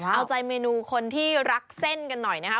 เอาใจเมนูคนที่รักเส้นกันหน่อยนะคะ